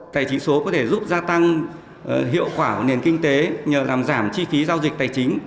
tài chính số có thể giúp gia tăng hiệu quả của nền kinh tế nhờ làm giảm chi phí giao dịch tài chính